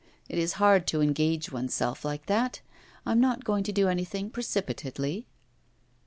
It is hard to engage oneself like that. I am not going to do anything precipitately.